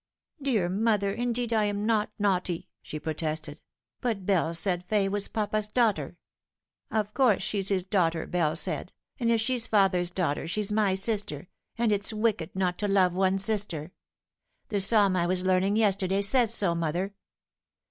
"Dear mother, indeed I'm not naughty," she protested, " but Bell said Fay was papa's daughter. ' Of course she's his Drifting Apart. 68 daughter,' Bell said ; and if she's father's daughter, she's my sister, and it's wicked not to love one's sister. The psalm I KHB learning yesterday says so, mother.